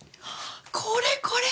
これこれ！